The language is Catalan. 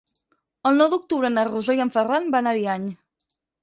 El nou d'octubre na Rosó i en Ferran van a Ariany.